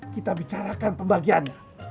kita bicarakan pembagiannya